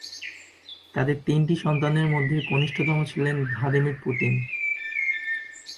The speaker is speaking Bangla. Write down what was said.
তাঁদের তিনটি সন্তানের মধ্যে কনিষ্ঠতম ছিলেন ভ্লাদিমির পুতিন।